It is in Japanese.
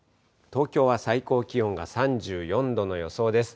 東京は最高気温が３４度の予想です。